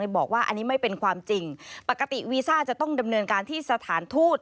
บอกว่าอันนี้ไม่เป็นความจริงปกติวีซ่าจะต้องดำเนินการที่สถานทูต